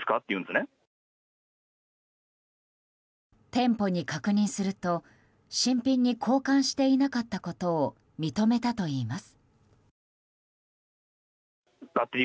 店舗に確認すると新品に交換していなかったことを認めたといいます。